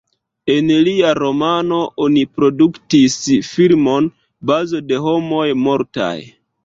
El lia romano oni produktis filmon Bazo de homoj mortaj.